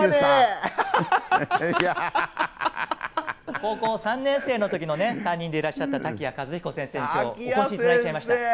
高校３年生の時のね担任でいらっしゃった瀧谷和彦先生に今日お越しいただいちゃいました。